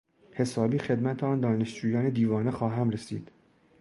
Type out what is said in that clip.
حسابی خدمت آن دانشجویان دیوانه خواهم رسید!